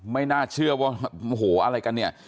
ไม่น่าเชื่อว่าโมโหอะไรกันเนี่ย